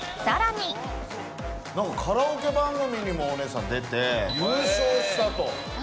何かカラオケ番組にもお姉さん出て優勝したと。